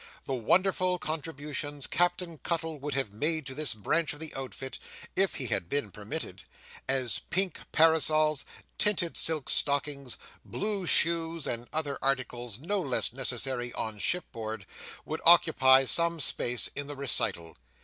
The wonderful contributions Captain Cuttle would have made to this branch of the outfit, if he had been permitted—as pink parasols, tinted silk stockings, blue shoes, and other articles no less necessary on shipboard—would occupy some space in the recital.